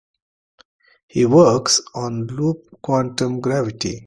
He works on loop quantum gravity.